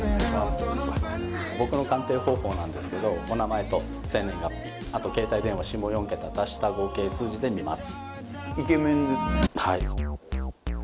僕の鑑定方法なんですけどお名前と生年月日あと携帯電話下４桁足した合計数字で見ます。